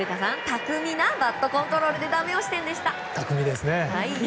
巧みなバットコントロールで巧みでしたね。